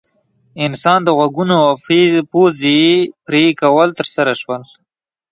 انسان د غوږونو او پزې پرې کول ترسره شول.